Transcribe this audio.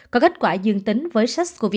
có kết quả dương tính với sars cov hai